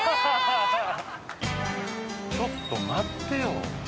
ちょっと待ってよ